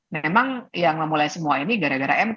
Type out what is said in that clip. memang yang memulai semua ini gara gara mk